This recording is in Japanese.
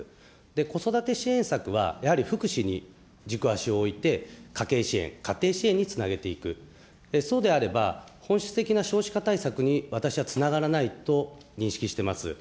子育て支援策は、やはり福祉に軸足を置いて、家計支援、家庭支援につなげていく、そうであれば、本質的な少子化対策に私はつながらないと認識しています。